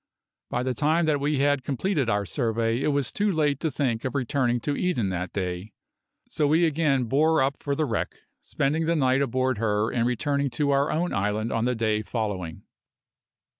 By the time that we had completed our survey it was too late to think of returning to Eden that day, so we again bore up for the wreck, spending that night aboard her and returning to our own island on the day following.